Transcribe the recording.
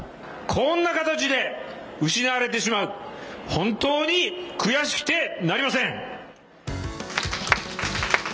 こんな形で失われてしまう、本当に悔しくてなりません。